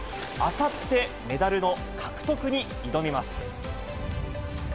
あさって、メダルの獲得に挑みます。